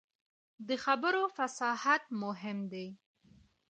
د خبرو فصاحت مهم دی